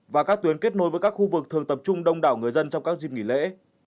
và các tuyến kết nối với các khu vực thường tập trung đông đảo người dân trong các dịp nghỉ lễ